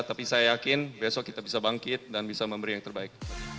tapi saya yakin besok kita bisa bangkit dan bisa memberi yang terbaik